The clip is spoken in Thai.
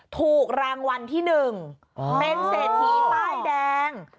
ถูกรางวัลที่๑เป็นเศรษฐีป้ายแดง